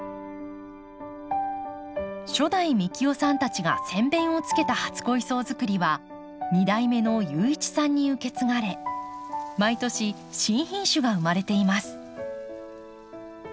初代幹雄さんたちが先べんをつけた初恋草づくりは２代目の雄一さんに受け継がれ毎年新品種が生まれています。